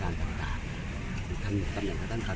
การกำลังกับเครื่องในนาม